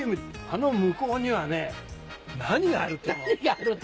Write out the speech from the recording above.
あの向こうにはね何があると思う？